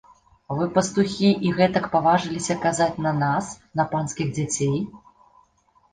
Вы пастухі і гэтак паважыліся казаць на нас, на панскіх дзяцей!?